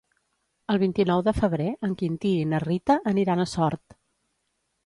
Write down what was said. El vint-i-nou de febrer en Quintí i na Rita aniran a Sort.